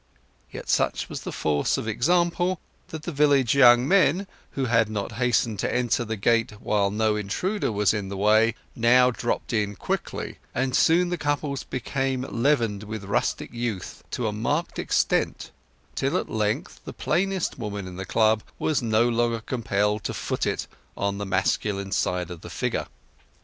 Yet such was the force of example that the village young men, who had not hastened to enter the gate while no intruder was in the way, now dropped in quickly, and soon the couples became leavened with rustic youth to a marked extent, till at length the plainest woman in the club was no longer compelled to foot it on the masculine side of the figure.